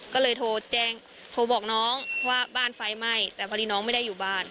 ก็เลยโทรแจ้งโทรบอกน้องว่าบ้านไฟไหม้แต่พอดีน้องไม่ได้อยู่บ้าน